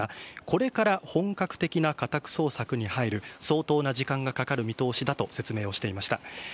これから本格的な家宅捜索に入る、相当な時間がかかる見通しだと説明をしていました。